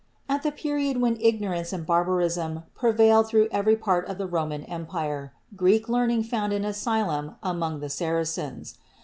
At the period when ignorance and barbarism prevailed through every part of the Roman Empire, Greek learning found an asylum among the Saracens.